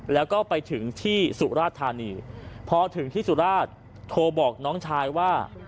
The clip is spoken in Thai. แล้วก็ไปถึงที่สุราธานีพอถึงที่สุราชโทรบอกน้องชายว่า